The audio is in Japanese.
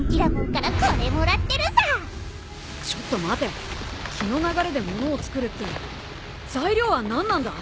ちょっと待て気の流れでものを作るって材料は何なんだ？